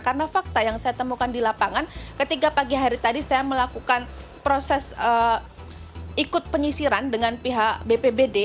karena fakta yang saya temukan di lapangan ketika pagi hari tadi saya melakukan proses ikut penyisiran dengan pihak bpbd